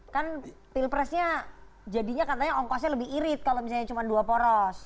kan pilpresnya jadinya katanya ongkosnya lebih irit kalau misalnya cuma dua poros